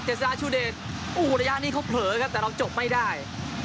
จิ้มต่อตอนนี้เขาเผลอครับแต่เราจบไม่ได้